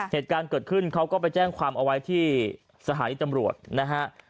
เหตุการณ์เกิดขึ้นเขาก็ไปแจ้งความเอาไว้ที่สถานีตำรวจนะฮะ